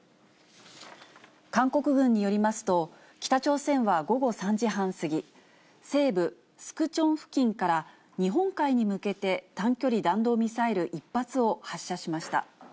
韓国軍によりますと、北朝鮮は午後３時半過ぎ、西部スクチョン付近から日本海に向けて短距離弾道ミサイル１発を発射しました。